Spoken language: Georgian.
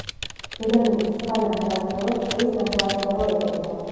დედამიწის სხვა ნახევარსფეროს წყლის ნახევარსფერო ეწოდება.